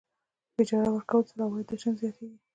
په اجاره ورکولو سره عواید دوه چنده زیاتېږي.